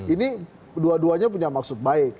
ini dua duanya punya maksud baik